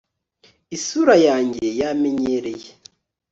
isura yanjye yamenyereye